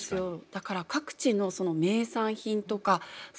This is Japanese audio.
だから各地の名産品とかそういった